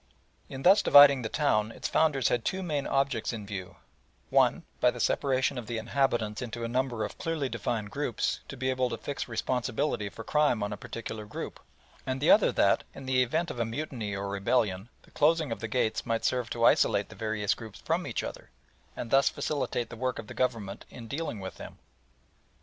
In thus dividing the town its founders had two main objects in view one, by the separation of the inhabitants into a number of clearly defined groups, to be able to fix responsibility for crime on a particular group; and the other that, in the event of a mutiny or rebellion, the closing of the gates might serve to isolate the various groups from each other, and thus facilitate the work of the Government in dealing with them.